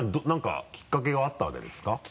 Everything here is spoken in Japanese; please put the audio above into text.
何かきっかけがあったわけですか？